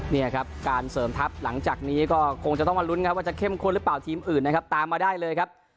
นี่ครับการเสริมทัพหลังจากนี้ก็คงจะต้องมาลุ้นครับว่าจะเข้มข้นหรือเปล่าทีมอื่นนะครับตามมาได้เลยครับ